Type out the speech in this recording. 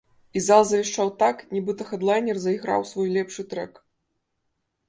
І зал завішчаў так, нібыта хэдлайнер зайграў свой лепшы трэк.